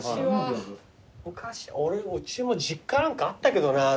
昔うちも実家なんかあったけどな屏風。